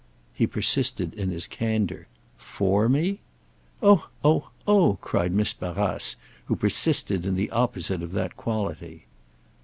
He persisted in his candour. "'For' me—?" "Oh, oh, oh!" cried Miss Barrace, who persisted in the opposite of that quality.